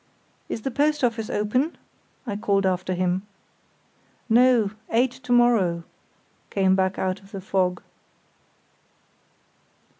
"Is the post office open?" I called after him. "No; eight to morrow," came back out of the fog.